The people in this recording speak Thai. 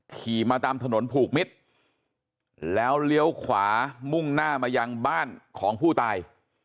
ขี่มาตามถนนผูกมิตรแล้วเลี้ยวขวามุ่งหน้ามายังบ้านของผู้ตาย